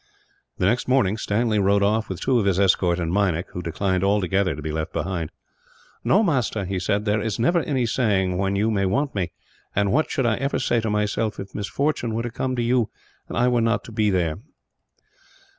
The next morning Stanley rode off, with two of his escort and Meinik, who declined altogether to be left behind. "No, master," he said, "there is never any saying when you may want me; and what should I ever say to myself if misfortune were to come to you, and I were not to be there?"